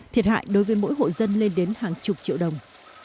thiệt hại đối với mỗi hộ dân lên đến hàng chục triệu đồng